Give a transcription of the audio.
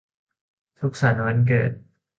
สุขสันต์วันเกิด